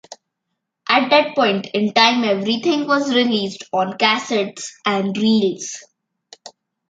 At that point in time everything was released on cassettes and reels.